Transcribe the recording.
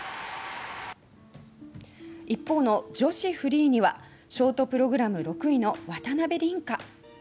一方の女子フリーにはショートプログラム６位の渡辺倫果。